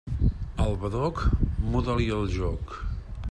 Al badoc, muda-li el joc.